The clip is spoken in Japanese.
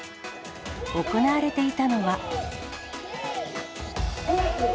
行われていたのは。